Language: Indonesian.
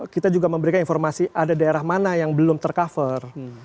kita juga memberikan informasi ada daerah mana yang belum tercover